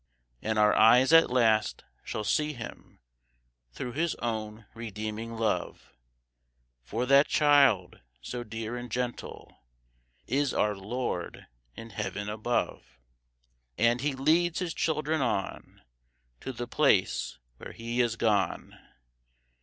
And our eyes at last shall see Him, Through His own redeeming love, For that Child so dear and gentle Is our Lord in Heaven above; And He leads His children on To the place where He is gone.